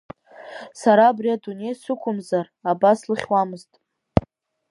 Сара абри адунеи сықәымзар, абас лыхьуамызт.